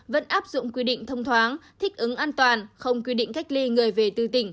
vẫn áp dụng quy định thông thoáng thích ứng an toàn không quy định cách ly người về từ tỉnh